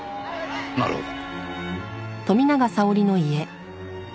なるほど。